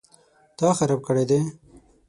_تا خراب کړی دی؟